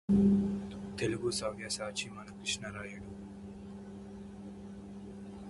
తెలుగుసవ్యసాచి మన కృష్ణరాయుడు